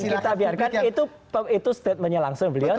dan kita biarkan itu statementnya langsung beliau